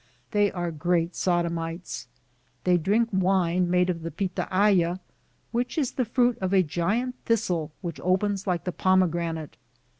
They are great sodomites. They drink wine made of the pitahaya, which is the fruit of a great thistle which opens like the pomegranate.